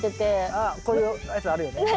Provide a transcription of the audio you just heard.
あっこういうやつあるよね。